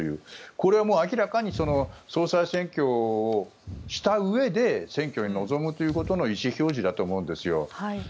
これは明らかに総裁選挙をしたうえで選挙に臨むということの意思表示だと思うんですよ。